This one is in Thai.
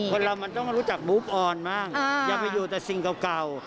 คนเรามันต้องรู้จักบูฟออนบ้างอย่าไปอยู่แต่สิ่งเก่า